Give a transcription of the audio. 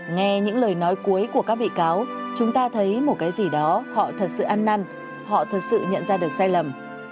nghe những lời nói cuối của các bị cáo chúng ta thấy một cái gì đó họ thật sự ăn năn họ thật sự nhận ra được sai lầm